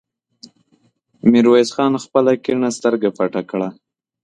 ميرويس خان خپله کيڼه سترګه پټه کړه.